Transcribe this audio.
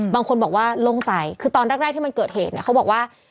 บางคนบอกว่าโล่งใจคือตอนแรกที่มันเกิดเหตุเนี่ยเขาบอกว่า